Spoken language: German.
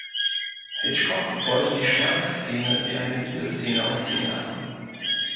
Hitchcock wollte die Sterbeszene wie eine Liebesszene aussehen lassen.